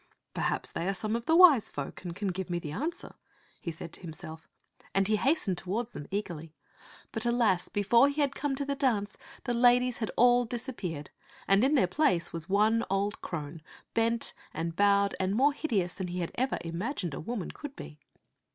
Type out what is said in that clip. " Perhaps they are some of the wise folk and can give me the answer," he said to himself, and he hastened toward them eagerly. But, alas, before he had come to the dance, the ladies had all disappeared, and in their place was one old crone, bent and bowed and more hideous than he had ever imagined a woman could be.